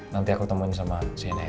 nanti aku temuin sama sienna ya